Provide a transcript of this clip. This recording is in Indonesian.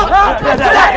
udah udah udah